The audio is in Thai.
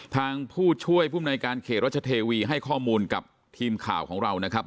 ผู้ช่วยภูมิในการเขตรัชเทวีให้ข้อมูลกับทีมข่าวของเรานะครับ